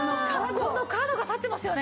この角が立ってますよね。